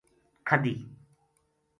کھدی